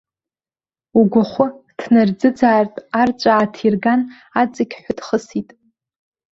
Угәахы ҭнарӡыӡаартә арҵәаа ааҭирган, аҵықьҳәа дхысит.